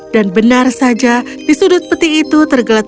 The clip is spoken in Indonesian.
dan benar saja di sudut peti itu peti itu berada di dalam peti